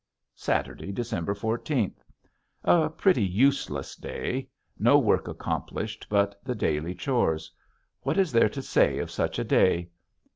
Saturday, December fourteenth. A pretty useless day. No work accomplished but the daily chores. What is there to say of such a day.